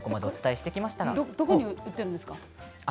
どこに売っているんですか？